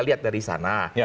lihat dari sana